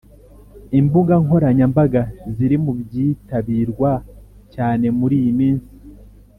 Imbuga nkoranya mbanga ziri mu byitabirwa cyane muriyi minsi